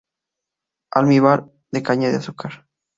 Almíbar de caña de azúcar.